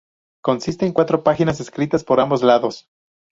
Consiste en cuatro páginas escritas por ambos lados.